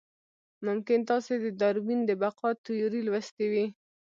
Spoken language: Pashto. ممکن تاسې د داروېن د بقا تیوري لوستې وي.